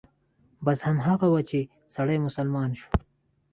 بس هماغه و چې سړى مسلمان شو.